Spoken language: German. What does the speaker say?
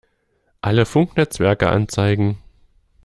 Alle Funknetzwerke anzeigen!